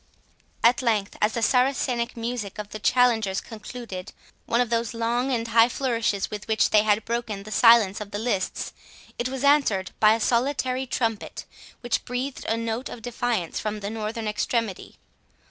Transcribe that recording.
At length, as the Saracenic music of the challengers concluded one of those long and high flourishes with which they had broken the silence of the lists, it was answered by a solitary trumpet, which breathed a note of defiance from the northern extremity.